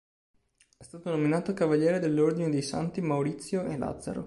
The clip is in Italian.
È stato nominato cavaliere dell’Ordine dei Santi Maurizio e Lazzaro.